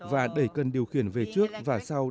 và đẩy cân điều khiển về trước và sau